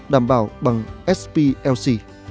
đảm bảo bằng splc